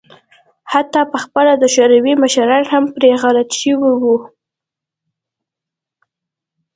حتی په خپله د شوروي مشران هم پرې غلط شوي وو.